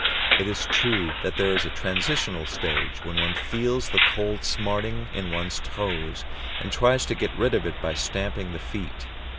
It is true that there is a transitional stage, when one feels the cold smarting in one's toes, and tries to get rid of it by stamping the feet.